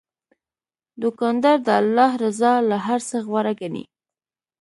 دوکاندار د الله رضا له هر څه غوره ګڼي.